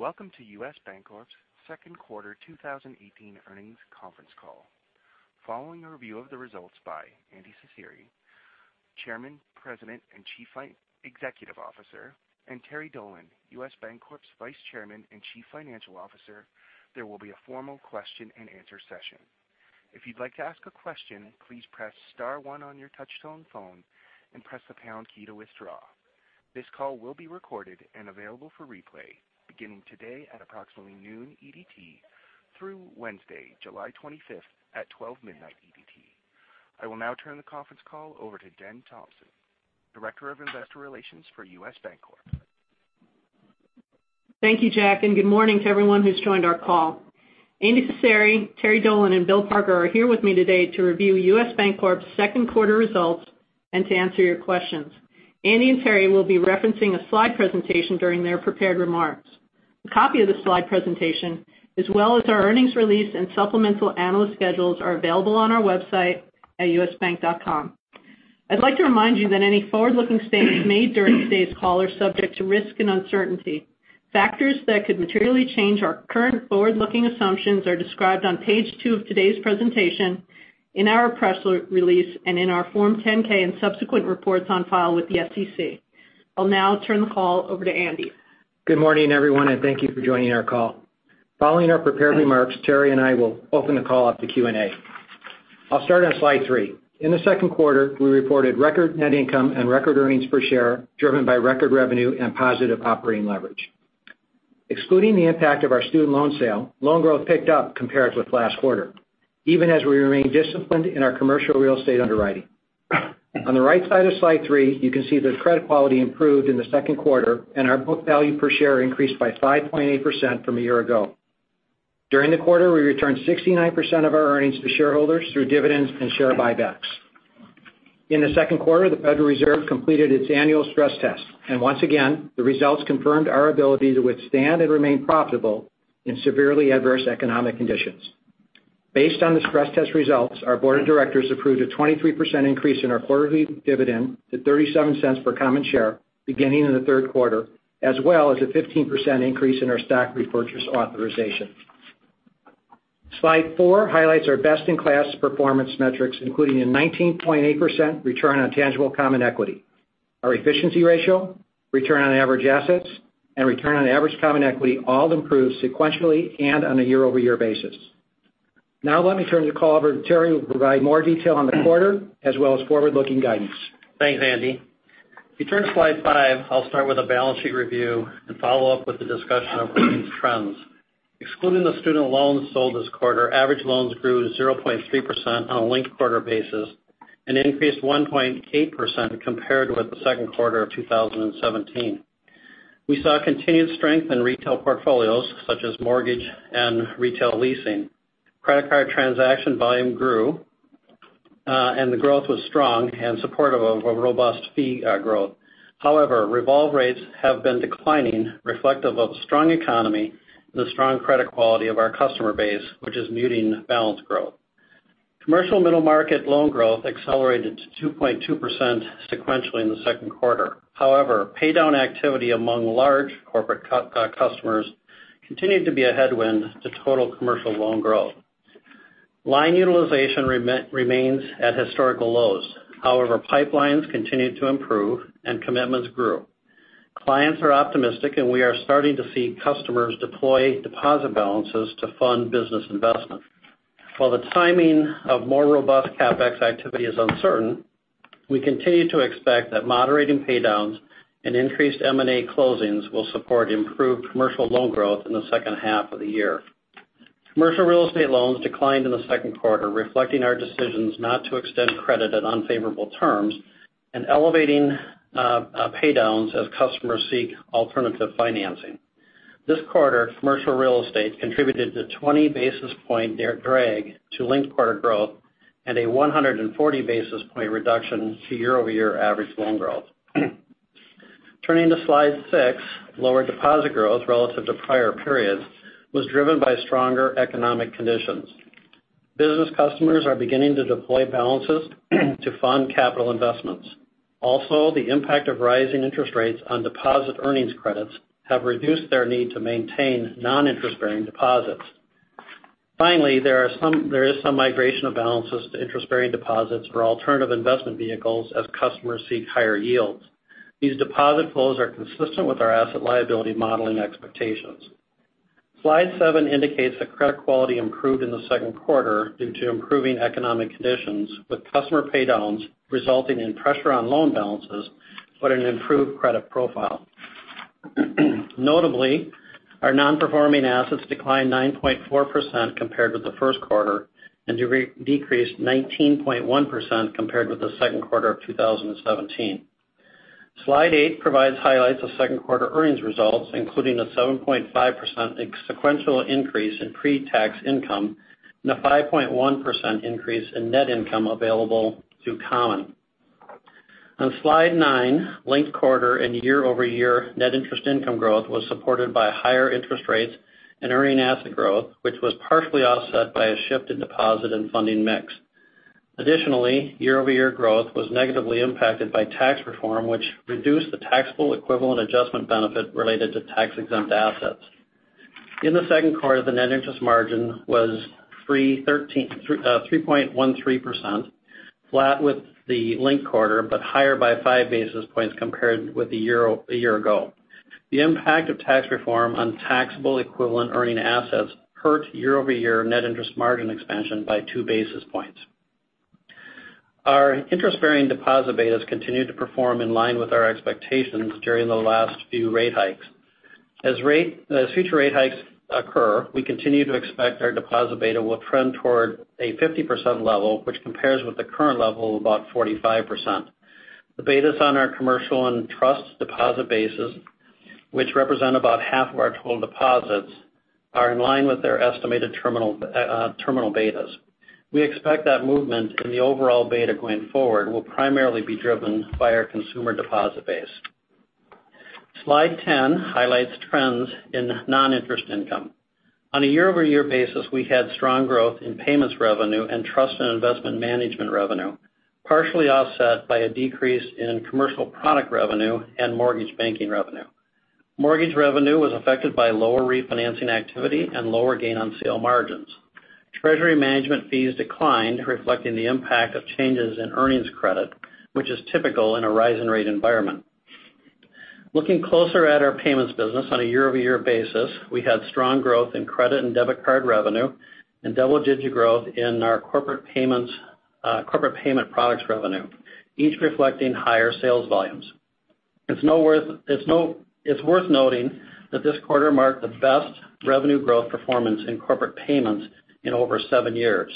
Welcome to U.S. Bancorp's Second Quarter 2018 Earnings Conference Call. Following a review of the results by Andy Cecere, Chairman, President, and Chief Executive Officer, and Terry Dolan, U.S. Bancorp's Vice Chairman and Chief Financial Officer, there will be a formal question-and-answer session. If you'd like to ask a question, please press star one on your touch-tone phone and press the pound key to withdraw. This call will be recorded and available for replay beginning today at approximately 12:00 P.M. EDT through Wednesday, July 25th, at 12:00 A.M. EDT. I will now turn the conference call over to Jen Thompson, Director of Investor Relations for U.S. Bancorp. Thank you, Jack, and good morning to everyone who's joined our call. Andy Cecere, Terry Dolan, and Bill Parker are here with me today to review U.S. Bancorp's second quarter results and to answer your questions. Andy and Terry will be referencing a slide presentation during their prepared remarks. A copy of the slide presentation, as well as our earnings release and supplemental analyst schedules, are available on our website at usbank.com. I'd like to remind you that any forward-looking statements made during today's call are subject to risk and uncertainty. Factors that could materially change our current forward-looking assumptions are described on page 2 of today's presentation, in our press release, and in our Form 10-K and subsequent reports on file with the SEC. I'll now turn the call over to Andy. Good morning, everyone, and thank you for joining our call. Following our prepared remarks, Terry and I will open the call up to Q&A. I'll start on slide 3. In the second quarter, we reported record net income and record earnings per share driven by record revenue and positive operating leverage. Excluding the impact of our student loan sale, loan growth picked up compared with last quarter, even as we remain disciplined in our commercial real estate underwriting. On the right side of slide three, you can see the credit quality improved in the second quarter, and our book value per share increased by 5.8% from a year ago. During the quarter, we returned 69% of our earnings to shareholders through dividends and share buybacks. In the second quarter, the Federal Reserve completed its annual stress test, and once again, the results confirmed our ability to withstand and remain profitable in severely adverse economic conditions. Based on the stress test results, our Board of Directors approved a 23% increase in our quarterly dividend to $0.37 per common share beginning in the third quarter, as well as a 15% increase in our stock repurchase authorization. Slide 4 highlights our best-in-class performance metrics, including a 19.8% return on tangible common equity. Our efficiency ratio, return on average assets, and return on average common equity all improved sequentially and on a year-over-year basis. Now let me turn the call over to Terry, who will provide more detail on the quarter, as well as forward-looking guidance. Thanks, Andy. If you turn to slide five, I'll start with a balance sheet review and follow up with a discussion of earnings trends. Excluding the student loans sold this quarter, average loans grew 0.3% on a linked quarter basis and increased 1.8% compared with the second quarter of 2017. We saw continued strength in retail portfolios, such as mortgage and retail leasing. Credit card transaction volume grew, and the growth was strong and supportive of a robust fee growth. However, revolve rates have been declining, reflective of a strong economy and the strong credit quality of our customer base, which is muting balance growth. Commercial middle market loan growth accelerated to 2.2% sequentially in the second quarter. However, paydown activity among large corporate customers continued to be a headwind to total commercial loan growth. Line utilization remains at historical lows. However, pipelines continued to improve, and commitments grew. Clients are optimistic, and we are starting to see customers deploy deposit balances to fund business investment. While the timing of more robust CapEx activity is uncertain, we continue to expect that moderating paydowns and increased M&A closings will support improved commercial loan growth in the second half of the year. Commercial real estate loans declined in the second quarter, reflecting our decisions not to extend credit at unfavorable terms and elevating paydowns as customers seek alternative financing. This quarter, commercial real estate contributed to 20 basis points drag to linked quarter growth and a 140 basis point reduction to year-over-year average loan growth. Turning to slide 6, lower deposit growth relative to prior periods was driven by stronger economic conditions. Business customers are beginning to deploy balances to fund capital investments. Also, the impact of rising interest rates on deposit earnings credits has reduced their need to maintain non-interest-bearing deposits. Finally, there is some migration of balances to interest-bearing deposits for alternative investment vehicles as customers seek higher yields. These deposit flows are consistent with our asset liability modeling expectations. Slide 7 indicates that credit quality improved in the second quarter due to improving economic conditions, with customer paydowns resulting in pressure on loan balances but an improved credit profile. Notably, our non-performing assets declined 9.4% compared with the first quarter and decreased 19.1% compared with the second quarter of 2017. Slide 8 provides highlights of second quarter earnings results, including a 7.5% sequential increase in pre-tax income and a 5.1% increase in net income available to common. On slide 9, linked quarter and year-over-year net interest income growth was supported by higher interest rates and earning asset growth, which was partially offset by a shift in deposit and funding mix. Additionally, year-over-year growth was negatively impacted by tax reform, which reduced the taxable equivalent adjustment benefit related to tax-exempt assets. In the second quarter, the net interest margin was 3.13%, flat with the linked quarter, but higher by 5 basis points compared with a year ago. The impact of tax reform on taxable equivalent earning assets hurt year-over-year net interest margin expansion by 2 basis points. Our interest-bearing deposit beta has continued to perform in line with our expectations during the last few rate hikes. As future rate hikes occur, we continue to expect our deposit beta will trend toward a 50% level, which compares with the current level of about 45%. The betas on our commercial and trust deposit bases, which represent about half of our total deposits, are in line with their estimated terminal betas. We expect that movement in the overall beta going forward will primarily be driven by our consumer deposit base. Slide 10 highlights trends in non-interest income. On a year-over-year basis, we had strong growth in payments revenue and trust and investment management revenue, partially offset by a decrease in commercial product revenue and mortgage banking revenue. Mortgage revenue was affected by lower refinancing activity and lower gain-on-sale margins. Treasury management fees declined, reflecting the impact of changes in earnings credit, which is typical in a rising rate environment. Looking closer at our payments business on a year-over-year basis, we had strong growth in credit and debit card revenue and double-digit growth in our corporate payment products revenue, each reflecting higher sales volumes. It's worth noting that this quarter marked the best revenue growth performance in corporate payments in over seven years.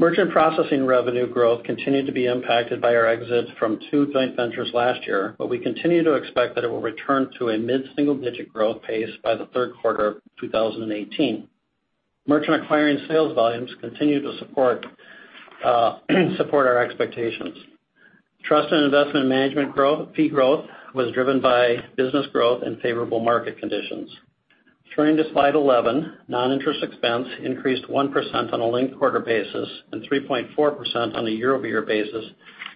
Merchant processing revenue growth continued to be impacted by our exit from two joint ventures last year, but we continue to expect that it will return to a mid-single-digit growth pace by the third quarter of 2018. Merchant acquiring sales volumes continued to support our expectations. Trust and investment management fee growth was driven by business growth and favorable market conditions. Turning to slide 11, non-interest expense increased 1% on a linked quarter basis and 3.4% on a year-over-year basis,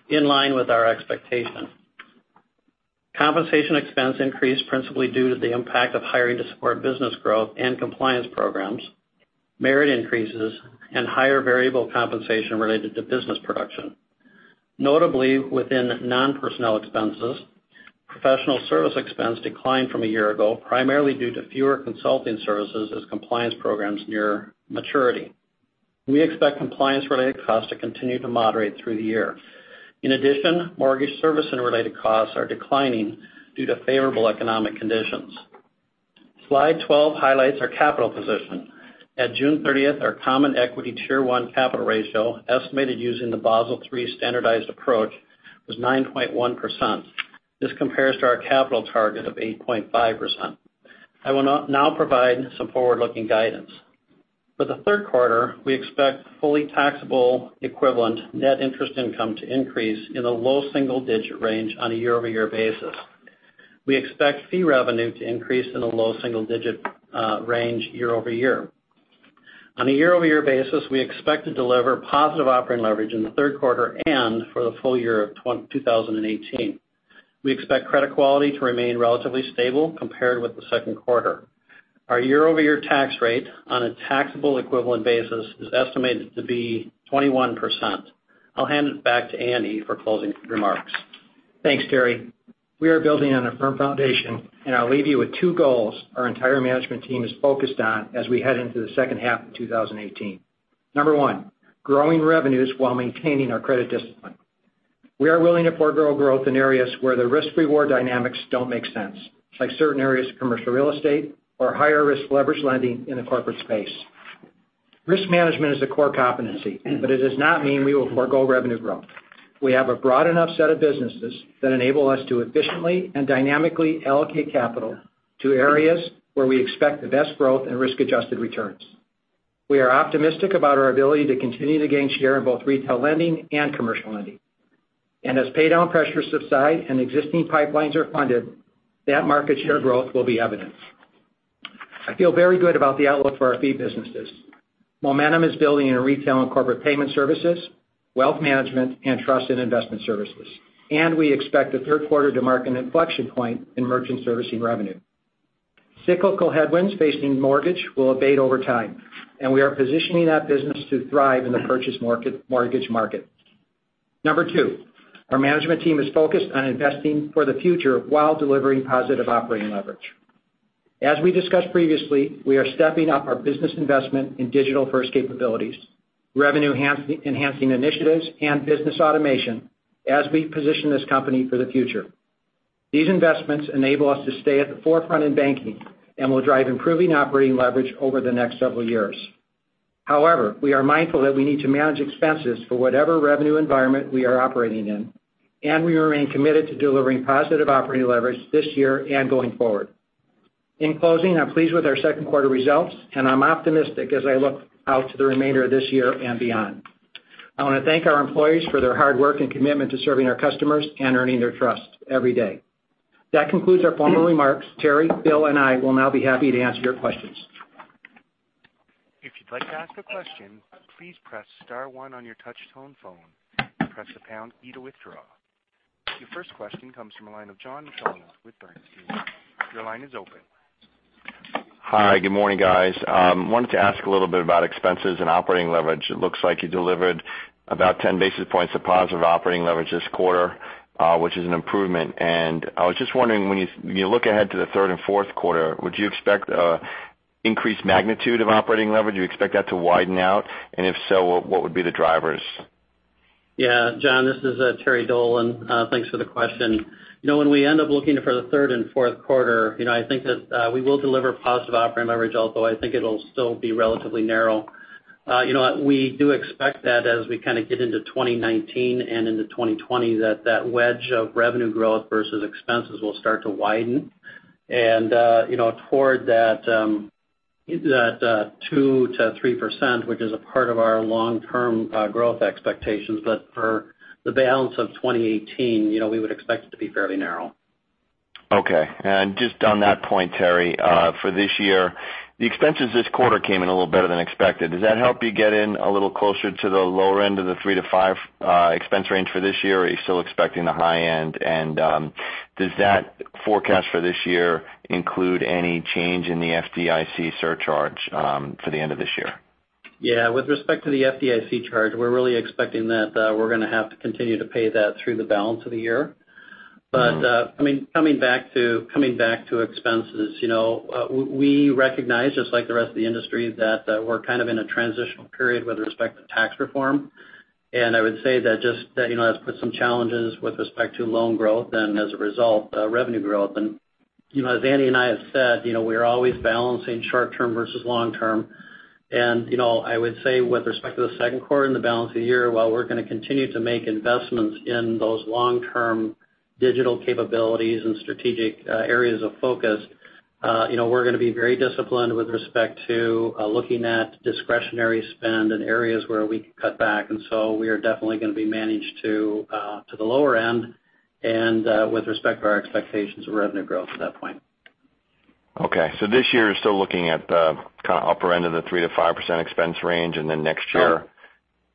in line with our expectation. Compensation expense increased principally due to the impact of hiring to support business growth and compliance programs, merit increases, and higher variable compensation related to business production. Notably, within non-personnel expenses, professional services expense declined from a year ago, primarily due to fewer consulting services as compliance programs near maturity. We expect compliance-related costs to continue to moderate through the year. In addition, mortgage servicing and related costs are declining due to favorable economic conditions. Slide 12 highlights our capital position. At June 30th, our Common Equity Tier 1 capital ratio, estimated using the Basel III Standardized Approach, was 9.1%. This compares to our capital target of 8.5%. I will now provide some forward-looking guidance. For the third quarter, we expect fully taxable-equivalent net interest income to increase in the low single-digit range on a year-over-year basis. We expect fee revenue to increase in the low single-digit range year-over-year. On a year-over-year basis, we expect to deliver positive operating leverage in the third quarter and for the full year of 2018. We expect credit quality to remain relatively stable compared with the second quarter. Our year-over-year tax rate on a taxable equivalent basis is estimated to be 21%. I'll hand it back to Andy for closing remarks. Thanks, Terry. We are building on a firm foundation, and I'll leave you with two goals our entire management team is focused on as we head into the second half of 2018. Number one, growing revenues while maintaining our credit discipline. We are willing to forego growth in areas where the risk-reward dynamics don't make sense, like certain areas of commercial real estate or higher-risk leverage lending in the corporate space. Risk management is a core competency, but it does not mean we will forego revenue growth. We have a broad enough set of businesses that enable us to efficiently and dynamically allocate capital to areas where we expect the best growth and risk-adjusted returns. We are optimistic about our ability to continue to gain share in both retail lending and commercial lending, and as paydown pressures subside and existing pipelines are funded, that market share growth will be evident. I feel very good about the outlook for our fee businesses. Momentum is building in retail and corporate payment services, wealth management, and trust and investment services. And we expect the third quarter to mark an inflection point in merchant servicing revenue. Cyclical headwinds facing mortgage will abate over time, and we are positioning that business to thrive in the purchase mortgage market. Number two, our management team is focused on investing for the future while delivering positive operating leverage. As we discussed previously, we are stepping up our business investment in digital-first capabilities, revenue-enhancing initiatives, and business automation as we position this company for the future. These investments enable us to stay at the forefront in banking and will drive improving operating leverage over the next several years. However, we are mindful that we need to manage expenses for whatever revenue environment we are operating in, and we remain committed to delivering positive operating leverage this year and going forward. In closing, I'm pleased with our second quarter results, and I'm optimistic as I look out to the remainder of this year and beyond. I want to thank our employees for their hard work and commitment to serving our customers and earning their trust every day. That concludes our formal remarks. Terry, Bill, and I will now be happy to answer your questions. If you'd like to ask a question, please press star one on your touch-tone phone and press the pound key to withdraw. Your first question comes from a line of John McDonald with Bernstein. Your line is open. Hi, good morning, guys. I wanted to ask a little bit about expenses and operating leverage. It looks like you delivered about 10 basis points of positive operating leverage this quarter, which is an improvement. And I was just wondering, when you look ahead to the third and fourth quarter, would you expect an increased magnitude of operating leverage? Do you expect that to widen out? And if so, what would be the drivers? Yeah, John, this is Terry Dolan. Thanks for the question. When we end up looking for the third and fourth quarter, I think that we will deliver positive operating leverage, although I think it'll still be relatively narrow. We do expect that as we kind of get into 2019 and into 2020, that wedge of revenue growth versus expenses will start to widen, and toward that 2%-3%, which is a part of our long-term growth expectations, but for the balance of 2018, we would expect it to be fairly narrow. Okay. And just on that point, Terry, for this year, the expenses this quarter came in a little better than expected. Does that help you get in a little closer to the lower end of the 3%-to-5% expense range for this year, or are you still expecting the high end? And does that forecast for this year include any change in the FDIC surcharge for the end of this year? Yeah, with respect to the FDIC charge, we're really expecting that we're going to have to continue to pay that through the balance of the year. But I mean, coming back to expenses, we recognize, just like the rest of the industry, that we're kind of in a transitional period with respect to tax reform. And I would say that just that has put some challenges with respect to loan growth and, as a result, revenue growth. And as Andy and I have said, we are always balancing short-term versus long-term. And I would say, with respect to the second quarter and the balance of the year, while we're going to continue to make investments in those long-term digital capabilities and strategic areas of focus, we're going to be very disciplined with respect to looking at discretionary spend and areas where we can cut back. And so we are definitely going to be managed to the lower end and with respect to our expectations of revenue growth at that point. Okay. So this year is still looking at the kind of upper end of the 3%-5% expense range, and then next year?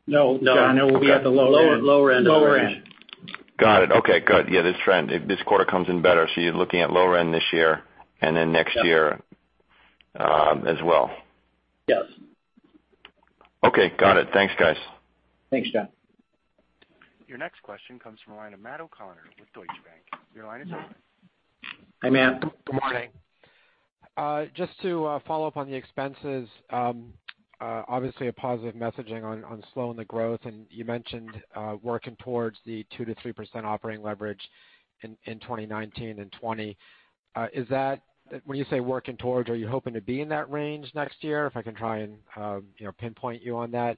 No, no, I know we'll be at the lower end of the range. Got it. Okay. Good. Yeah, this quarter comes in better. So you're looking at lower end this year and then next year as well. Yes. Okay. Got it. Thanks, guys. Thanks, John. Your next question comes from a line of Matt O'Connor with Deutsche Bank. Your line is open. Hi, Matt. Good morning. Just to follow up on the expenses, obviously a positive messaging on slowing the growth, and you mentioned working towards the 2%-3% operating leverage in 2019 and 2020. When you say working towards, are you hoping to be in that range next year, if I can try and pinpoint you on that,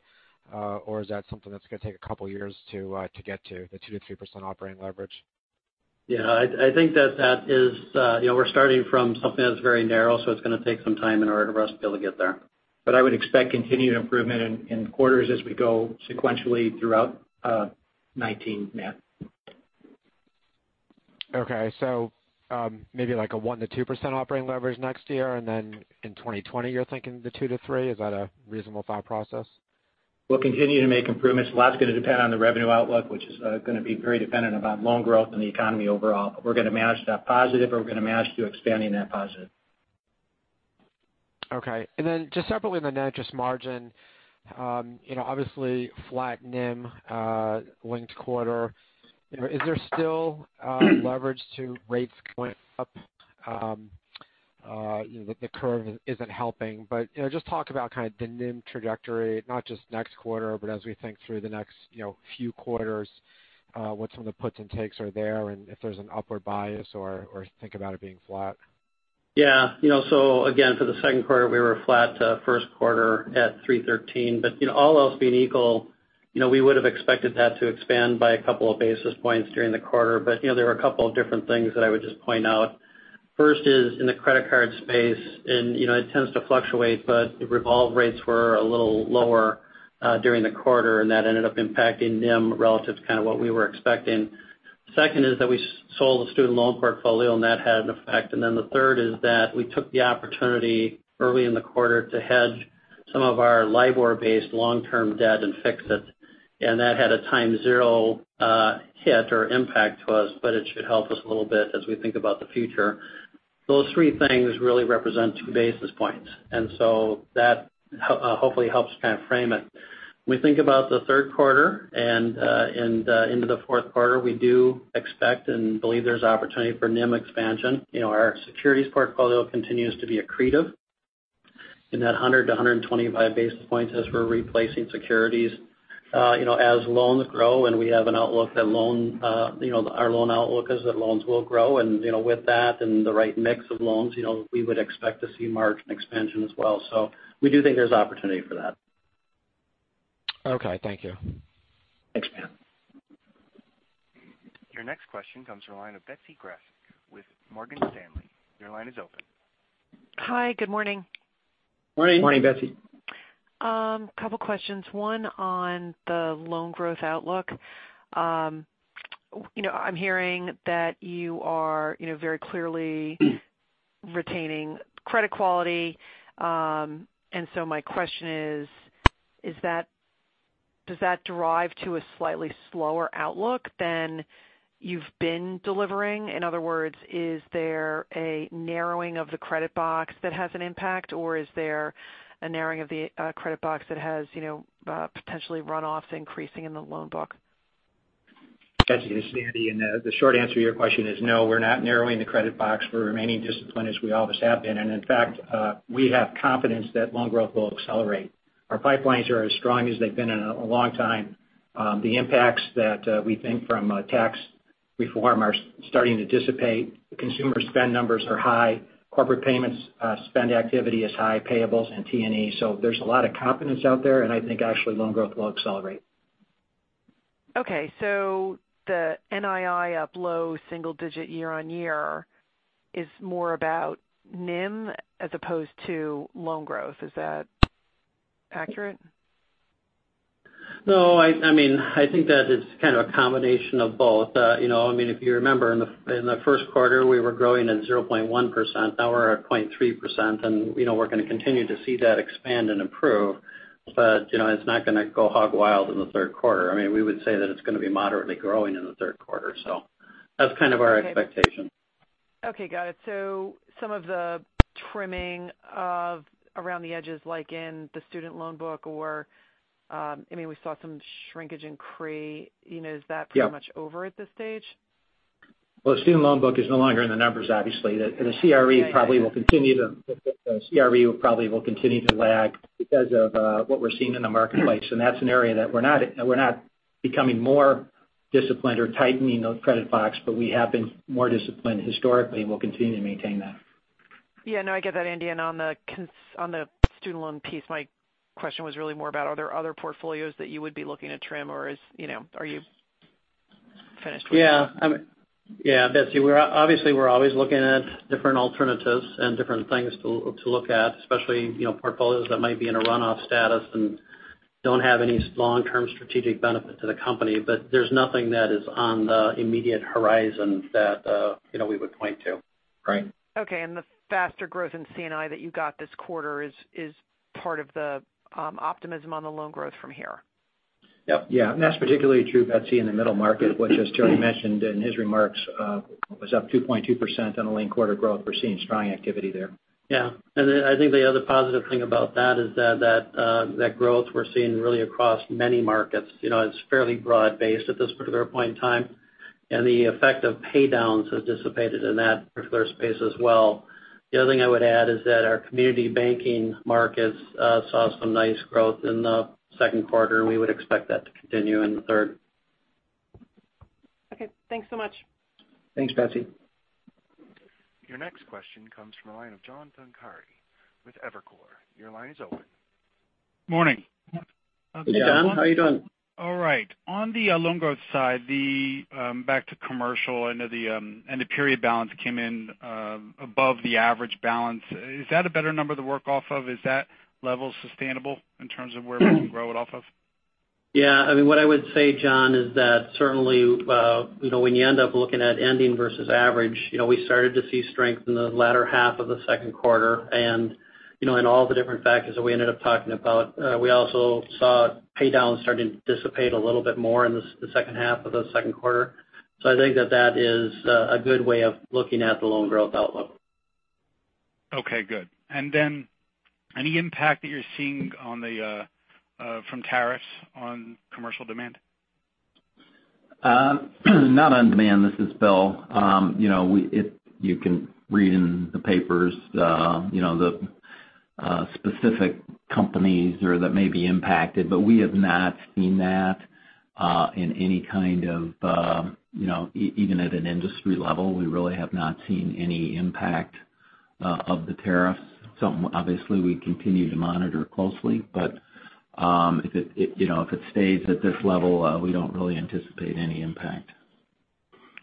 or is that something that's going to take a couple of years to get to, the 2%-3% operating leverage? Yeah, I think that that is. We're starting from something that's very narrow, so it's going to take some time in order for us to be able to get there. But I would expect continued improvement in quarters as we go sequentially throughout 2019, Matt. Okay. So maybe like a 1%-2% operating leverage next year, and then in 2020, you're thinking the 2%-3%? Is that a reasonable thought process? We'll continue to make improvements. A lot's going to depend on the revenue outlook, which is going to be very dependent on loan growth and the economy overall. But we're going to manage that positive, or we're going to manage to expanding that positive. Okay, and then just separately on the net interest margin, obviously flat, NIM, linked quarter. Is there still leverage to rates going up? The curve isn't helping. But just talk about kind of the NIM trajectory, not just next quarter, but as we think through the next few quarters, what some of the puts and takes are there, and if there's an upward bias or think about it being flat. Yeah. So again, for the second quarter, we were flat to first quarter at 3.13%. But all else being equal, we would have expected that to expand by a couple of basis points during the quarter. But there were a couple of different things that I would just point out. First is in the credit card space, and it tends to fluctuate, but revolve rates were a little lower during the quarter, and that ended up impacting NIM relative to kind of what we were expecting. Second is that we sold the student loan portfolio, and that had an effect. And then the third is that we took the opportunity early in the quarter to hedge some of our LIBOR-based long-term debt and fix it. And that had a time zero hit or impact to us, but it should help us a little bit as we think about the future. Those three things really represent two basis points, and so that hopefully helps kind of frame it. When we think about the third quarter and into the fourth quarter, we do expect and believe there's opportunity for NIM expansion. Our securities portfolio continues to be accretive in that 100-125 basis points as we're replacing securities. As loans grow, and we have an outlook that our loan outlook is that loans will grow, and with that and the right mix of loans, we would expect to see margin expansion as well, so we do think there's opportunity for that. Okay. Thank you. Thanks, Matt. Your next question comes from a line of Betsy Graseck with Morgan Stanley. Your line is open. Hi, good morning. Morning. Morning, Betsy. A couple of questions. One on the loan growth outlook. I'm hearing that you are very clearly retaining credit quality. And so my question is, does that derive to a slightly slower outlook than you've been delivering? In other words, is there a narrowing of the credit box that has an impact, or is there a narrowing of the credit box that has potentially runoffs increasing in the loan book? That's interesting, Andy, and the short answer to your question is no, we're not narrowing the credit box. We're remaining disciplined as we always have been, and in fact, we have confidence that loan growth will accelerate. Our pipelines are as strong as they've been in a long time. The impacts that we think from tax reform are starting to dissipate. Consumer spend numbers are high. Corporate payments spend activity is high, payables and T&E, so there's a lot of confidence out there, and I think actually loan growth will accelerate. Okay. So the NII up low single-digit year on year is more about NIM as opposed to loan growth. Is that accurate? No. I mean, I think that it's kind of a combination of both. I mean, if you remember, in the first quarter, we were growing at 0.1%. Now we're at 0.3%, and we're going to continue to see that expand and improve. But it's not going to go hog wild in the third quarter. I mean, we would say that it's going to be moderately growing in the third quarter. So that's kind of our expectation. Okay. Got it, so some of the trimming around the edges, like in the student loan book, or I mean, we saw some shrinkage in CRE, is that pretty much over at this stage? The student loan book is no longer in the numbers, obviously. The CRE will probably continue to lag because of what we're seeing in the marketplace. That's an area that we're becoming more disciplined or tightening those credit box, but we have been more disciplined historically and will continue to maintain that. Yeah. No, I get that, Andy, and on the student loan piece, my question was really more about, are there other portfolios that you would be looking to trim, or are you finished with that? Yeah. Yeah, Betsy, obviously we're always looking at different alternatives and different things to look at, especially portfolios that might be in a runoff status and don't have any long-term strategic benefit to the company. But there's nothing that is on the immediate horizon that we would point to. Okay. And the faster growth in C&I that you got this quarter is part of the optimism on the loan growth from here? Yep. Yeah. And that's particularly true, Betsy, in the middle market, which, as Terry mentioned in his remarks, was up 2.2% on a linked quarter growth. We're seeing strong activity there. Yeah, and I think the other positive thing about that is that growth we're seeing really across many markets. It's fairly broad-based at this particular point in time, and the effect of paydowns has dissipated in that particular space as well. The other thing I would add is that our community banking markets saw some nice growth in the second quarter, and we would expect that to continue in the third. Okay. Thanks so much. Thanks, Betsy. Your next question comes from a line of John Pancari with Evercore. Your line is open. Morning. Hey, John. How are you doing? All right. On the loan growth side, back to commercial, and the period balance came in above the average balance. Is that a better number to work off of? Is that level sustainable in terms of where we can grow it off of? Yeah. I mean, what I would say, John, is that certainly when you end up looking at ending versus average, we started to see strength in the latter half of the second quarter, and in all the different factors that we ended up talking about, we also saw paydowns starting to dissipate a little bit more in the second half of the second quarter, so I think that that is a good way of looking at the loan growth outlook. Okay. Good. And then any impact that you're seeing from tariffs on commercial demand? Not on demand. This is Bill. You can read in the papers the specific companies that may be impacted, but we have not seen that in any kind of even at an industry level. We really have not seen any impact of the tariffs. Something, obviously, we continue to monitor closely. But if it stays at this level, we don't really anticipate any impact.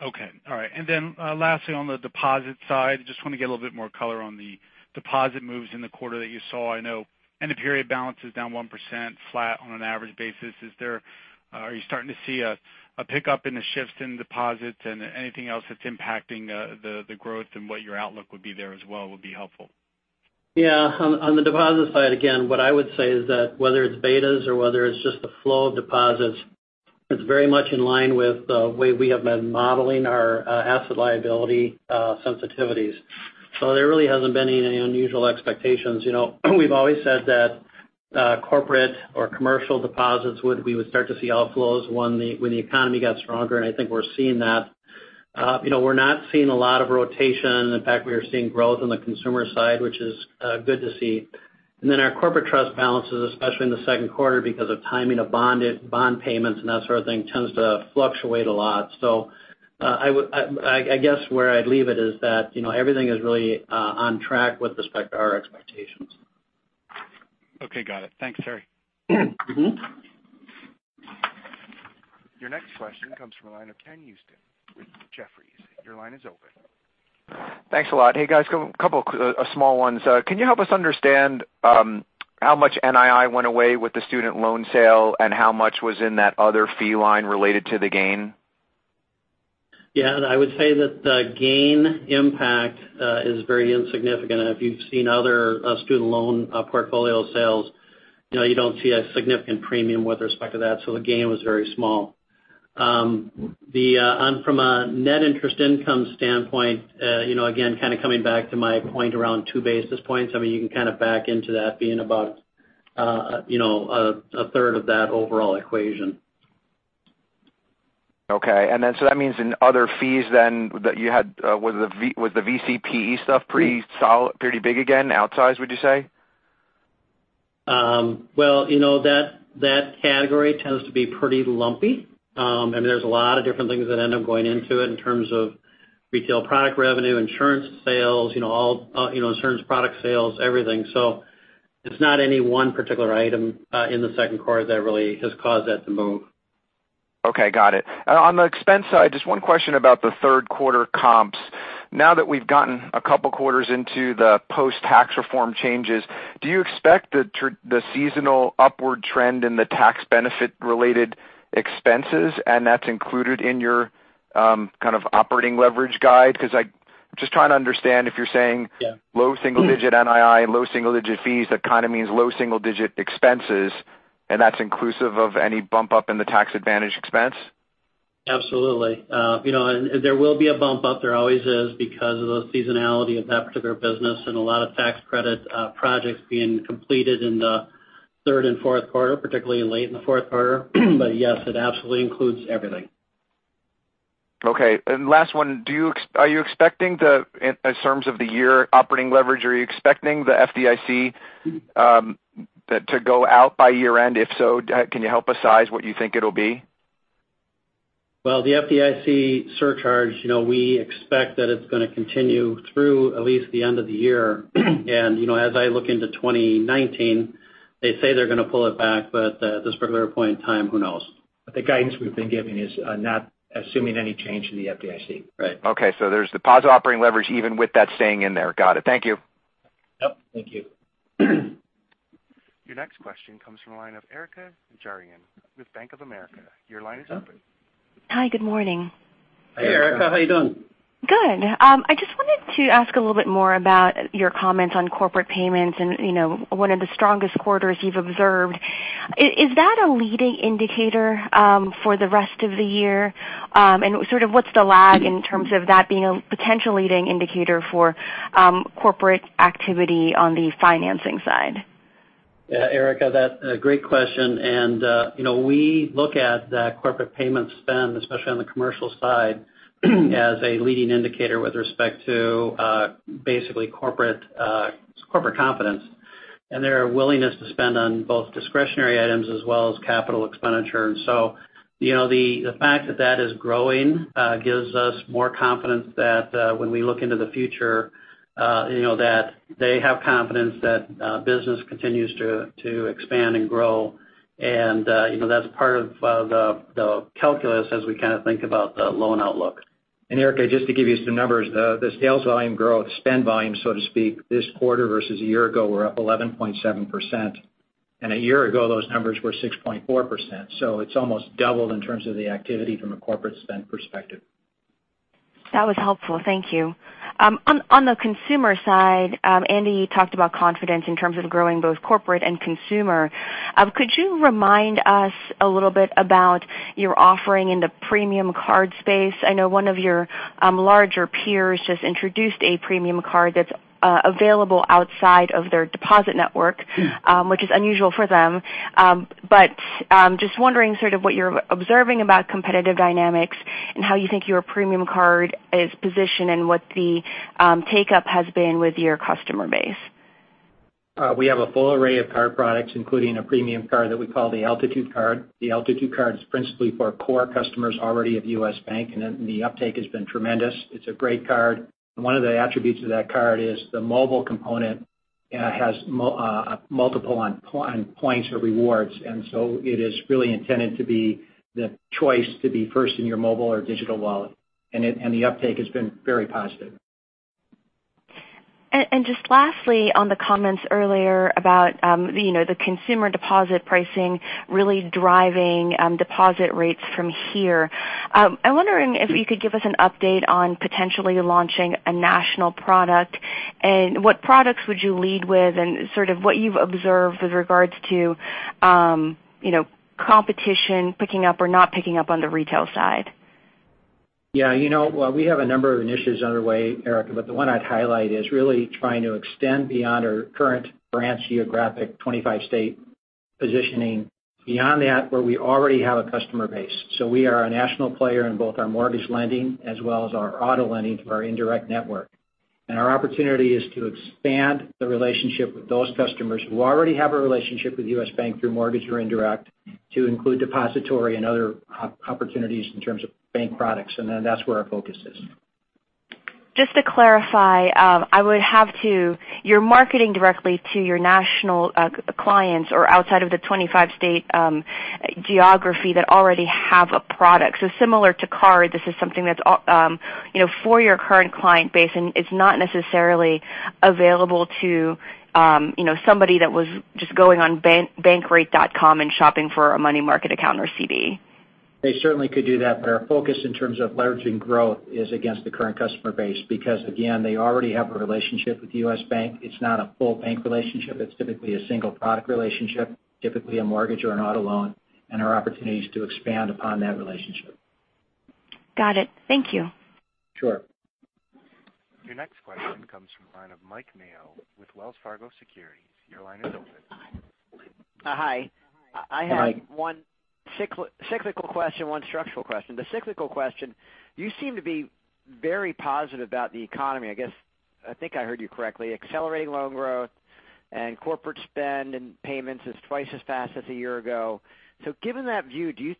Okay. All right. And then lastly, on the deposit side, just want to get a little bit more color on the deposit moves in the quarter that you saw. I know end of period balances down 1%, flat on an average basis. Are you starting to see a pickup in the shifts in deposits? And anything else that's impacting the growth and what your outlook would be there as well would be helpful. Yeah. On the deposit side, again, what I would say is that whether it's betas or whether it's just the flow of deposits, it's very much in line with the way we have been modeling our asset liability sensitivities. So there really hasn't been any unusual expectations. We've always said that corporate or commercial deposits, we would start to see outflows when the economy got stronger, and I think we're seeing that. We're not seeing a lot of rotation. In fact, we are seeing growth on the consumer side, which is good to see. And then our corporate trust balances, especially in the second quarter, because of timing of bond payments and that sort of thing, tends to fluctuate a lot. So I guess where I'd leave it is that everything is really on track with respect to our expectations. Okay. Got it. Thanks, Terry. Your next question comes from a line of Ken Usdin with Jefferies. Your line is open. Thanks a lot. Hey, guys. A couple of small ones. Can you help us understand how much NII went away with the student loan sale and how much was in that other fee line related to the gain? Yeah. I would say that the gain impact is very insignificant. If you've seen other student loan portfolio sales, you don't see a significant premium with respect to that. So the gain was very small. From a net interest income standpoint, again, kind of coming back to my point around two basis points, I mean, you can kind of back into that being about a third of that overall equation. Okay. And then so that means in other fees then that you had, was the VC/PE stuff pretty big again, outsized, would you say? That category tends to be pretty lumpy. I mean, there's a lot of different things that end up going into it in terms of retail product revenue, insurance sales, insurance product sales, everything. It's not any one particular item in the second quarter that really has caused that to move. Okay. Got it. On the expense side, just one question about the third quarter comps. Now that we've gotten a couple of quarters into the post-tax reform changes, do you expect the seasonal upward trend in the tax benefit-related expenses? And that's included in your kind of operating leverage guide? Because I'm just trying to understand if you're saying low single-digit NII, low single-digit fees, that kind of means low single-digit expenses, and that's inclusive of any bump up in the tax advantage expense? Absolutely. There will be a bump up. There always is because of the seasonality of that particular business and a lot of tax credit projects being completed in the third and fourth quarter, particularly late in the fourth quarter. But yes, it absolutely includes everything. Okay. And last one, are you expecting the, in terms of the year operating leverage, are you expecting the FDIC to go out by year-end? If so, can you help us size what you think it'll be? The FDIC surcharge, we expect that it's going to continue through at least the end of the year. As I look into 2019, they say they're going to pull it back, but at this particular point in time, who knows? But the guidance we've been giving is not assuming any change in the FDIC. Right. Okay. So there's deposit operating leverage even with that staying in there. Got it. Thank you. Yep. Thank you. Your next question comes from a line of Erika Najarian with Bank of America. Your line is open. Hi, good morning. Hey, Erika. How are you doing? Good. I just wanted to ask a little bit more about your comments on corporate payments and one of the strongest quarters you've observed. Is that a leading indicator for the rest of the year? And sort of what's the lag in terms of that being a potential leading indicator for corporate activity on the financing side? Yeah, Erica, that's a great question. And we look at that corporate payment spend, especially on the commercial side, as a leading indicator with respect to basically corporate confidence and their willingness to spend on both discretionary items as well as capital expenditure. And so the fact that that is growing gives us more confidence that when we look into the future, that they have confidence that business continues to expand and grow. And that's part of the calculus as we kind of think about the loan outlook. And Erika, just to give you some numbers, the sales volume growth, spend volume, so to speak, this quarter versus a year ago were up 11.7%. And a year ago, those numbers were 6.4%. So it's almost doubled in terms of the activity from a corporate spend perspective. That was helpful. Thank you. On the consumer side, Andy, you talked about confidence in terms of growing both corporate and consumer. Could you remind us a little bit about your offering in the premium card space? I know one of your larger peers just introduced a premium card that's available outside of their deposit network, which is unusual for them. But just wondering sort of what you're observing about competitive dynamics and how you think your premium card is positioned and what the take-up has been with your customer base. We have a full array of card products, including a premium card that we call the Altitude Card. The Altitude Card is principally for core customers already of U.S. Bank, and the uptake has been tremendous. It's a great card. One of the attributes of that card is the mobile component has multiple points or rewards. And so it is really intended to be the choice to be first in your mobile or digital wallet. And the uptake has been very positive. Just lastly, on the comments earlier about the consumer deposit pricing really driving deposit rates from here, I'm wondering if you could give us an update on potentially launching a national product and what products would you lead with and sort of what you've observed with regards to competition picking up or not picking up on the retail side? Yeah. Well, we have a number of initiatives underway, Erika, but the one I'd highlight is really trying to extend beyond our current branch geographic 25-state positioning beyond that where we already have a customer base. So we are a national player in both our mortgage lending as well as our auto lending through our indirect network. And our opportunity is to expand the relationship with those customers who already have a relationship with U.S. Bank through mortgage or indirect to include depository and other opportunities in terms of bank products. And then that's where our focus is. Just to clarify, are you marketing directly to your national clients or outside of the 25-state geography that already have a product? So similar to card, this is something that's for your current client base and is not necessarily available to somebody that was just going on Bankrate.com and shopping for a money market account or CD? They certainly could do that, but our focus in terms of leveraging growth is against the current customer base because, again, they already have a relationship with U.S. Bank. It's not a full bank relationship. It's typically a single product relationship, typically a mortgage or an auto loan, and our opportunity is to expand upon that relationship. Got it. Thank you. Sure. Your next question comes from a line of Mike Mayo with Wells Fargo Securities. Your line is open. Hi. Hi. I have one cyclical question, one structural question. The cyclical question, you seem to be very positive about the economy. I think I heard you correctly. Accelerating loan growth and corporate spend and payments is twice as fast as a year ago. So given that view, do you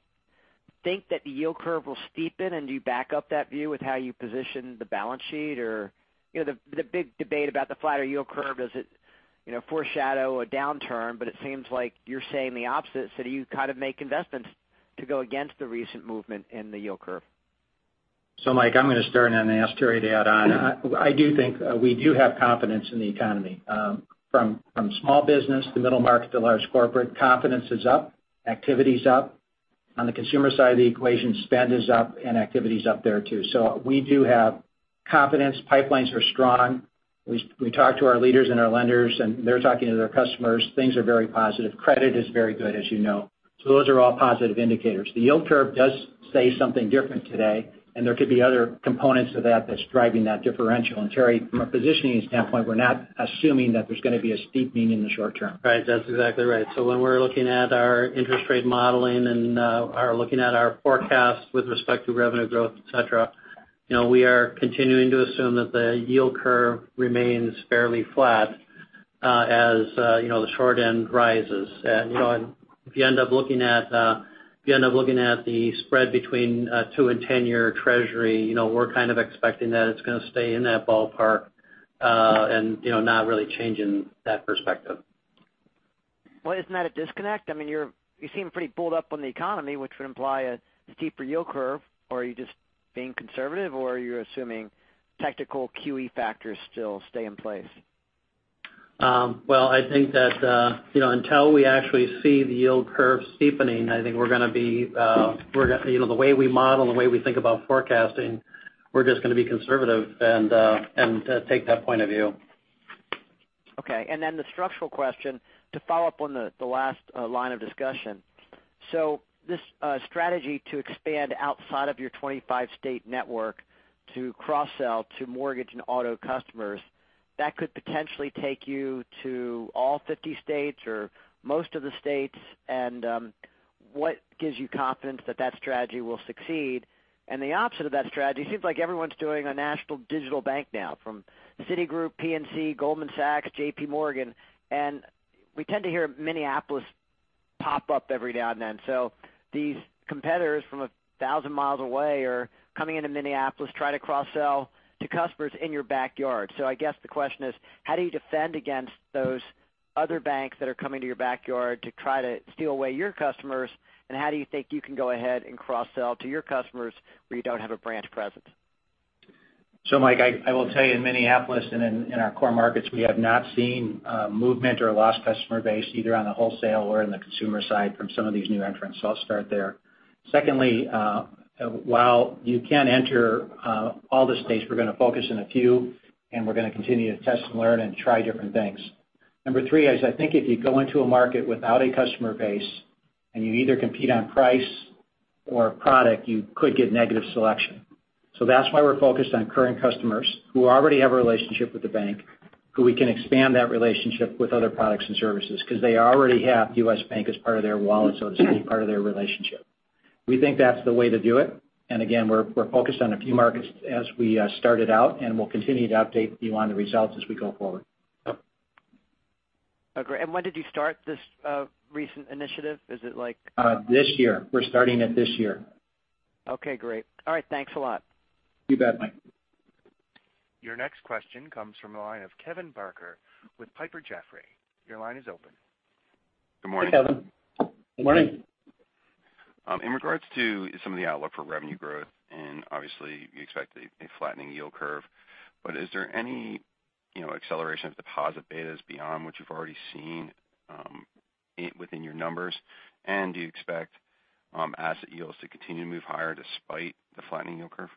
think that the yield curve will steepen? And do you back up that view with how you position the balance sheet? Or the big debate about the flatter yield curve does it foreshadow a downturn, but it seems like you're saying the opposite. So do you kind of make investments to go against the recent movement in the yield curve? So, Mike, I'm going to start and then ask Terry to add on. I do think we do have confidence in the economy. From small business to middle market to large corporate, confidence is up, activity's up. On the consumer side of the equation, spend is up and activity's up there too. So we do have confidence. Pipelines are strong. We talk to our leaders and our lenders, and they're talking to their customers. Things are very positive. Credit is very good, as you know. So those are all positive indicators. The yield curve does say something different today, and there could be other components of that that's driving that differential. And Terry, from a positioning standpoint, we're not assuming that there's going to be a steepening in the short term. Right. That's exactly right. So when we're looking at our interest rate modeling and are looking at our forecasts with respect to revenue growth, etc., we are continuing to assume that the yield curve remains fairly flat as the short end rises. And if you end up looking at the spread between 2-year and 10-year Treasury, we're kind of expecting that it's going to stay in that ballpark and not really changing that perspective. Isn't that a disconnect? I mean, you seem pretty bullish on the economy, which would imply a steeper yield curve. Are you just being conservative, or are you assuming technical QE factors still stay in place? I think that until we actually see the yield curve steepening, I think we're going to be the way we model, the way we think about forecasting, we're just going to be conservative and take that point of view. Okay. And then the structural question, to follow up on the last line of discussion. So this strategy to expand outside of your 25-state network to cross-sell to mortgage and auto customers, that could potentially take you to all 50 states or most of the states. And what gives you confidence that that strategy will succeed? And the opposite of that strategy, it seems like everyone's doing a national digital bank now from Citigroup, PNC, Goldman Sachs, J.P. Morgan. And we tend to hear Minneapolis pop up every now and then. So these competitors from a thousand miles away are coming into Minneapolis trying to cross-sell to customers in your backyard. So I guess the question is, how do you defend against those other banks that are coming to your backyard to try to steal away your customers? How do you think you can go ahead and cross-sell to your customers where you don't have a branch presence? So, Mike, I will tell you, in Minneapolis and in our core markets, we have not seen movement or lost customer base either on the wholesale or in the consumer side from some of these new entrants. So I'll start there. Secondly, while you can enter all the states, we're going to focus in a few, and we're going to continue to test and learn and try different things. Number three is I think if you go into a market without a customer base and you either compete on price or product, you could get negative selection. So that's why we're focused on current customers who already have a relationship with the bank, who we can expand that relationship with other products and services because they already have U.S. Bank as part of their wallet, so to speak, part of their relationship. We think that's the way to do it. Again, we're focused on a few markets as we started out, and we'll continue to update you on the results as we go forward. And when did you start this recent initiative? Is it like? This year. We're starting it this year. Okay. Great. All right. Thanks a lot. You bet, Mike. Your next question comes from a line of Kevin Barker with Piper Jaffray. Your line is open. Good morning. Hey, Kevin. Good morning. In regards to some of the outlook for revenue growth, and obviously, you expect a flattening yield curve, but is there any acceleration of deposit betas beyond what you've already seen within your numbers? And do you expect asset yields to continue to move higher despite the flattening yield curve?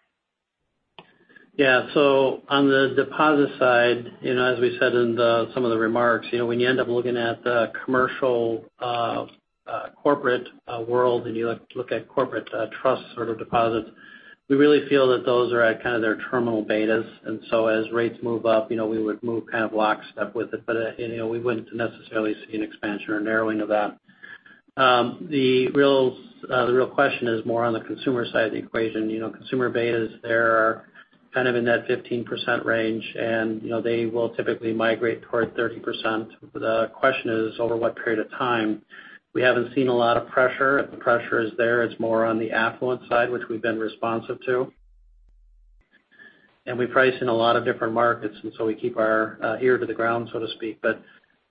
Yeah. So on the deposit side, as we said in some of the remarks, when you end up looking at the commercial corporate world and you look at corporate trust sort of deposits, we really feel that those are at kind of their terminal betas. And so as rates move up, we would move kind of lockstep with it, but we wouldn't necessarily see an expansion or narrowing of that. The real question is more on the consumer side of the equation. Consumer betas, they're kind of in that 15% range, and they will typically migrate toward 30%. The question is over what period of time. We haven't seen a lot of pressure. The pressure is there. It's more on the affluent side, which we've been responsive to. And we price in a lot of different markets, and so we keep our ear to the ground, so to speak. But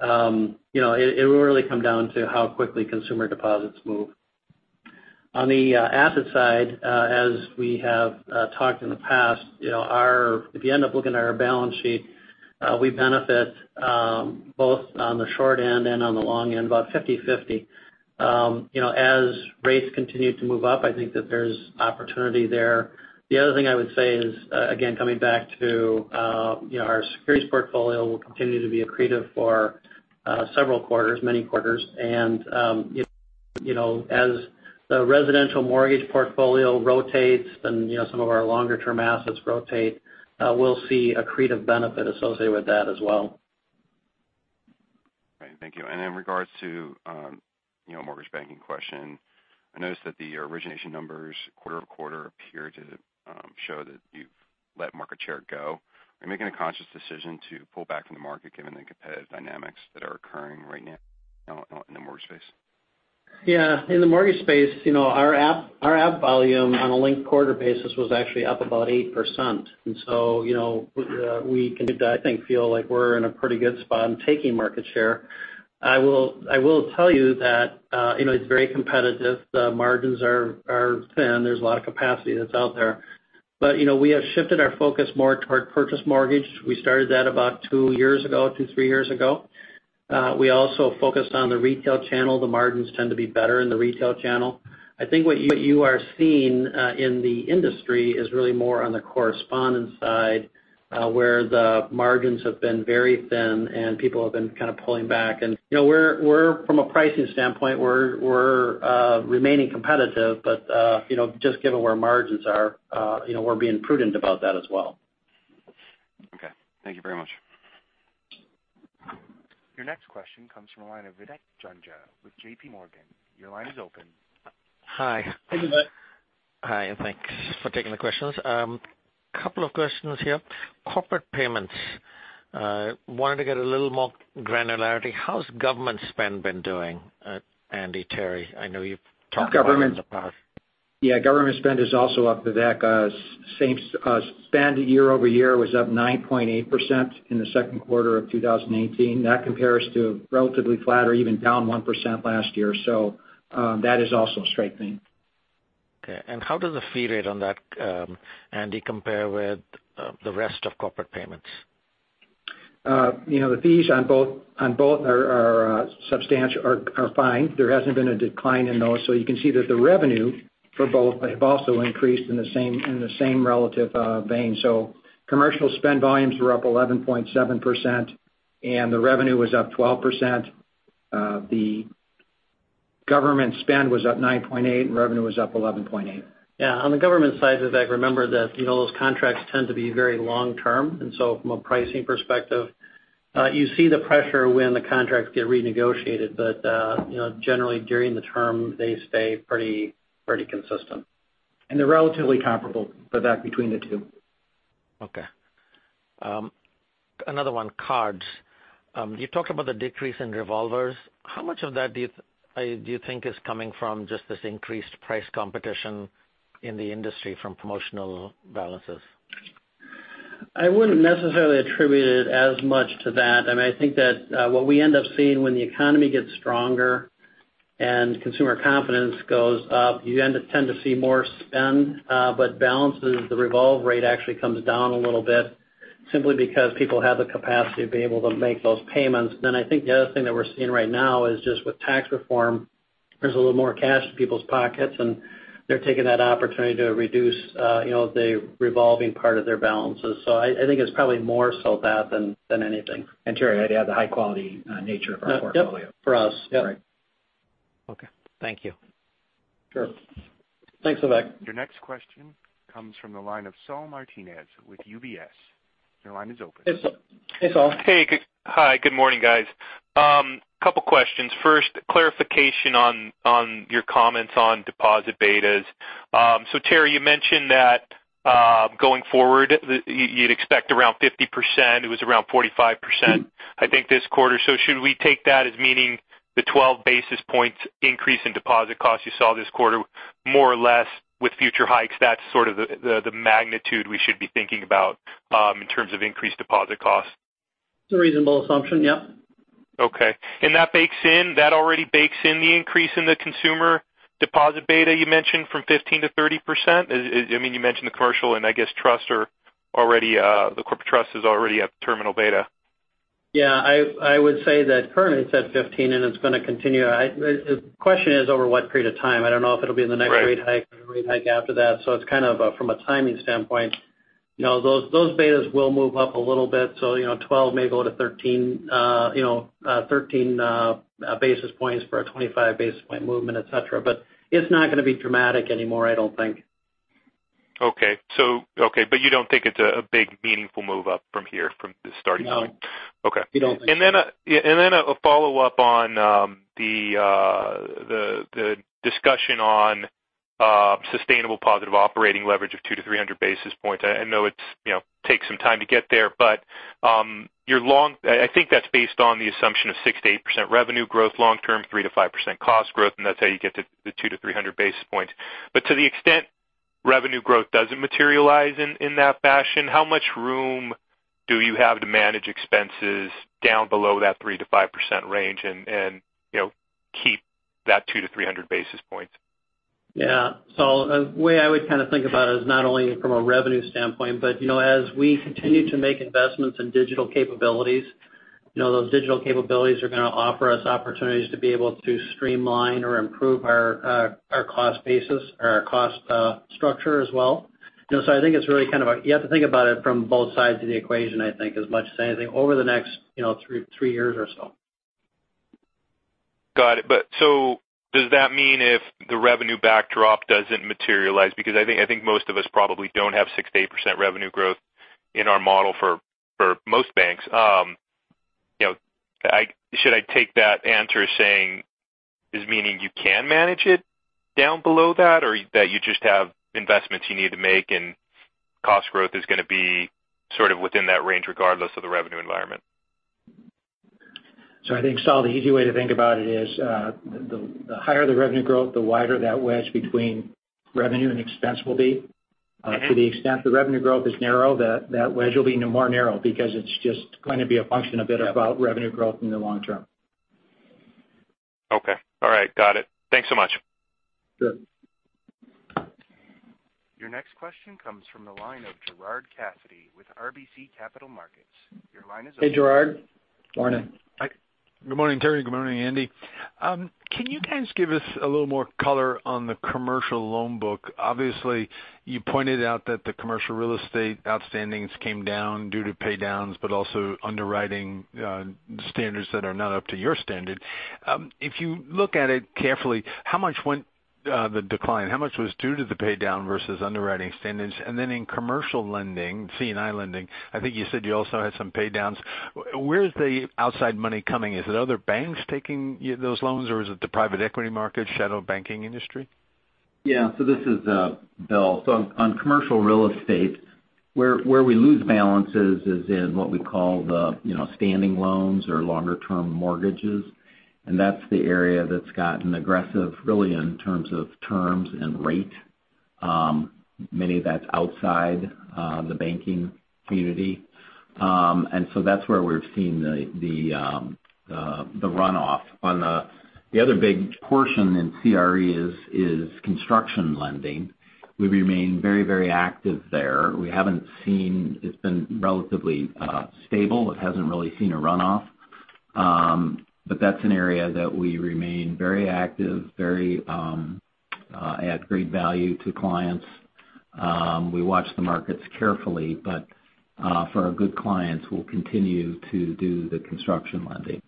it will really come down to how quickly consumer deposits move. On the asset side, as we have talked in the past, if you end up looking at our balance sheet, we benefit both on the short end and on the long end, about 50/50. As rates continue to move up, I think that there's opportunity there. The other thing I would say is, again, coming back to our securities portfolio, we'll continue to be accretive for several quarters, many quarters. And as the residential mortgage portfolio rotates and some of our longer-term assets rotate, we'll see accretive benefit associated with that as well. All right. Thank you, and in regards to a mortgage banking question, I noticed that the origination numbers quarter to quarter appear to show that you've let market share go. Are you making a conscious decision to pull back from the market given the competitive dynamics that are occurring right now in the mortgage space? Yeah. In the mortgage space, our app volume on a linked quarter basis was actually up about 8%. And so we, I think, feel like we're in a pretty good spot in taking market share. I will tell you that it's very competitive. The margins are thin. There's a lot of capacity that's out there. But we have shifted our focus more toward purchase mortgage. We started that about two years ago, two, three years ago. We also focused on the retail channel. The margins tend to be better in the retail channel. I think what you are seeing in the industry is really more on the correspondent side where the margins have been very thin and people have been kind of pulling back. And from a pricing standpoint, we're remaining competitive, but just given where margins are, we're being prudent about that as well. Okay. Thank you very much. Your next question comes from a line of Vivek Juneja with J.P. Morgan. Your line is open. Hi. Hi, Vivek. Hi. Thanks for taking the questions. A couple of questions here. Corporate payments. Wanted to get a little more granularity. How's government spend been doing, Andy, Terry? I know you've talked about it in the past. Yeah. Government spend is also up, Vivek. Spend year over year was up 9.8% in the second quarter of 2018. That compares to relatively flat or even down 1% last year, so that is also a strengthening. Okay. And how does the fee rate on that, Andy, compare with the rest of corporate payments? The fees on both are fine. There hasn't been a decline in those. So you can see that the revenue for both have also increased in the same relative vein. So commercial spend volumes were up 11.7%, and the revenue was up 12%. The government spend was up 9.8%, and revenue was up 11.8%. Yeah. On the government side, Vivek, remember that those contracts tend to be very long-term, and so from a pricing perspective, you see the pressure when the contracts get renegotiated, but generally during the term, they stay pretty consistent. They're relatively comparable, Vivek, between the two. Okay. Another one, cards. You talked about the decrease in revolvers. How much of that do you think is coming from just this increased price competition in the industry from promotional balances? I wouldn't necessarily attribute it as much to that. I mean, I think that what we end up seeing when the economy gets stronger and consumer confidence goes up, you tend to see more spend, but balances, the revolve rate actually comes down a little bit simply because people have the capacity to be able to make those payments. And then I think the other thing that we're seeing right now is just with tax reform, there's a little more cash in people's pockets, and they're taking that opportunity to reduce the revolving part of their balances. I think it's probably more so that than anything. Terry, I'd add the high-quality nature of our portfolio. Yeah. For us. Yeah. Right. Okay. Thank you. Sure. Thanks, Vivek. Your next question comes from the line of Saul Martinez with UBS. Your line is open. Hey, Saul. Hey. Hi. Good morning, guys. A couple of questions. First, clarification on your comments on deposit betas. So Terry, you mentioned that going forward, you'd expect around 50%. It was around 45%, I think, this quarter. So should we take that as meaning the 12 basis points increase in deposit costs you saw this quarter, more or less with future hikes, that's sort of the magnitude we should be thinking about in terms of increased deposit costs? It's a reasonable assumption. Yep. Okay. And that already bakes in the increase in the consumer deposit beta you mentioned from 15% to 30%? I mean, you mentioned the commercial and I guess trust are already the corporate trust is already at terminal beta. Yeah. I would say that currently it's at 15, and it's going to continue. The question is over what period of time. I don't know if it'll be in the next rate hike or the rate hike after that. So it's kind of from a timing standpoint, those betas will move up a little bit. So 12 may go to 13 basis points for a 25 basis point movement, etc. But it's not going to be dramatic anymore, I don't think. Okay. But you don't think it's a big meaningful move up from here from the starting point? No. Okay. And then a follow-up on the discussion on sustainable positive operating leverage of 200-300 basis points. I know it takes some time to get there, but I think that's based on the assumption of 6%-8% revenue growth long term, 3%-5% cost growth, and that's how you get to the 200-300 basis points. But to the extent revenue growth doesn't materialize in that fashion, how much room do you have to manage expenses down below that 3%-5% range and keep that 200-300 basis points? Yeah. So the way I would kind of think about it is not only from a revenue standpoint, but as we continue to make investments in digital capabilities, those digital capabilities are going to offer us opportunities to be able to streamline or improve our cost basis or our cost structure as well. I think it's really kind of a you have to think about it from both sides of the equation, I think, as much as anything over the next three years or so. Got it. But so does that mean if the revenue backdrop doesn't materialize? Because I think most of us probably don't have 6%-8% revenue growth in our model for most banks. Should I take that answer as saying, I mean, you can manage it down below that or that you just have investments you need to make and cost growth is going to be sort of within that range regardless of the revenue environment? I think, Saul, the easy way to think about it is the higher the revenue growth, the wider that wedge between revenue and expense will be. To the extent the revenue growth is narrow, that wedge will be more narrow because it's just going to be a function of it about revenue growth in the long term. Okay. All right. Got it. Thanks so much. Sure. Your next question comes from the line of Gerard Cassidy with RBC Capital Markets. Your line is open. Hey, Gerard. Morning. Good morning, Terry. Good morning, Andy. Can you guys give us a little more color on the commercial loan book? Obviously, you pointed out that the commercial real estate outstandings came down due to paydowns, but also underwriting standards that are not up to your standard. If you look at it carefully, how much went the decline? How much was due to the paydown versus underwriting standards? And then in commercial lending, C&I lending, I think you said you also had some paydowns. Where's the outside money coming? Is it other banks taking those loans, or is it the private equity market, shadow banking industry? Yeah. So this is Bill. So on commercial real estate, where we lose balances is in what we call the standing loans or longer-term mortgages. And that's the area that's gotten aggressive, really, in terms of terms and rate. Many of that's outside the banking community. And so that's where we've seen the runoff. The other big portion in CRE is construction lending. We remain very, very active there. We haven't seen. It's been relatively stable. It hasn't really seen a runoff. But that's an area that we remain very active, very add great value to clients. We watch the markets carefully, but for our good clients, we'll continue to do the construction lending.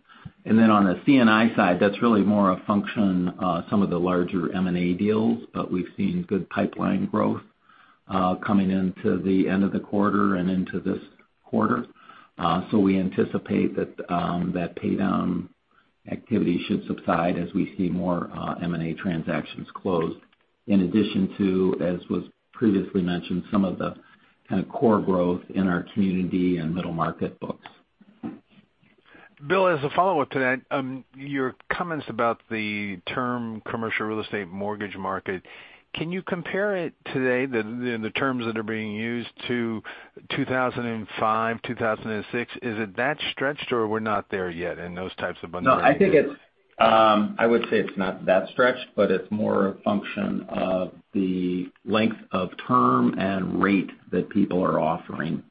And then on the C&I side, that's really more a function of some of the larger M&A deals, but we've seen good pipeline growth coming into the end of the quarter and into this quarter. We anticipate that that paydown activity should subside as we see more M&A transactions closed, in addition to, as was previously mentioned, some of the kind of core growth in our community and middle market books. Bill, as a follow-up to that, your comments about the term commercial real estate mortgage market, can you compare it today, the terms that are being used to 2005, 2006? Is it that stretched, or we're not there yet in those types of underwriting? No. I would say it's not that stretched, but it's more a function of the length of term and rate that people are offering.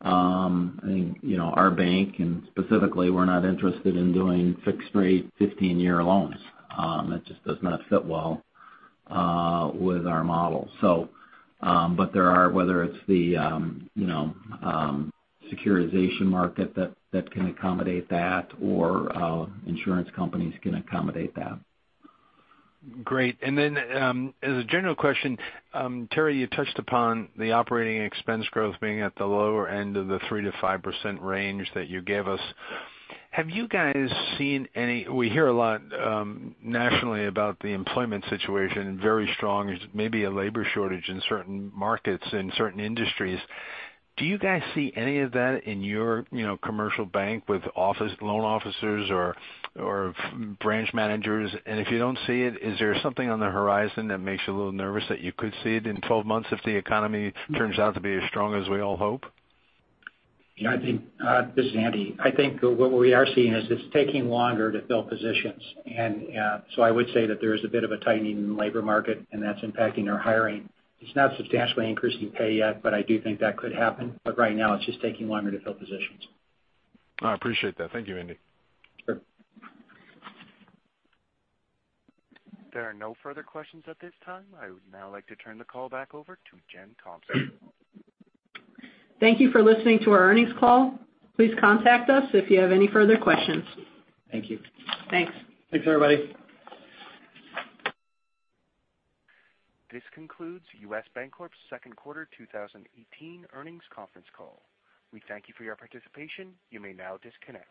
I think our bank, and specifically, we're not interested in doing fixed-rate 15-year loans. That just does not fit well with our model. But there are, whether it's the securitization market that can accommodate that or insurance companies can accommodate that. Great. And then as a general question, Terry, you touched upon the operating expense growth being at the lower end of the 3%-5% range that you gave us. Have you guys seen any? We hear a lot nationally about the employment situation, very strong, maybe a labor shortage in certain markets in certain industries. Do you guys see any of that in your commercial bank with loan officers or branch managers? And if you don't see it, is there something on the horizon that makes you a little nervous that you could see it in 12 months if the economy turns out to be as strong as we all hope? Yeah. This is Andy. I think what we are seeing is it's taking longer to fill positions. And so I would say that there is a bit of a tightening in the labor market, and that's impacting our hiring. It's not substantially increasing pay yet, but I do think that could happen. But right now, it's just taking longer to fill positions. I appreciate that. Thank you, Andy. Sure. There are no further questions at this time. I would now like to turn the call back over to Jen Thompson. Thank you for listening to our earnings call. Please contact us if you have any further questions. Thank you. Thanks. Thanks, everybody. This concludes U.S. Bancorp's second quarter 2018 earnings conference call. We thank you for your participation. You may now disconnect.